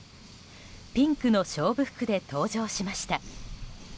ピンクの勝負服で登場しました。